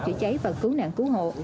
chữa cháy và cứu nạn cứu hồn